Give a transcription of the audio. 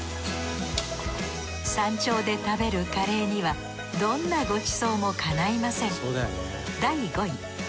山頂で食べるカレーにはどんなごちそうもかないません